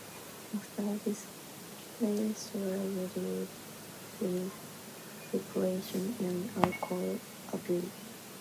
After this, Ray struggled with depression and alcohol abuse.